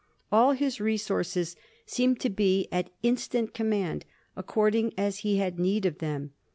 All his re sources seemed to be at instant command, according as he had need of them.